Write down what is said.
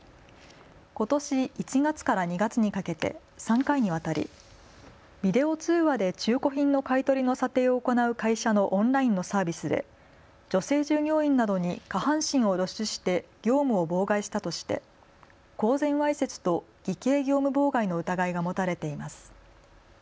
ことし１月から２月にかけて３回にわたりビデオ通話で中古品の買い取りの査定を行う会社のオンラインのサービスで女性従業員などに下半身を露出して業務を妨害したとして公然わいせつと偽計業務妨害の疑いが持たれています。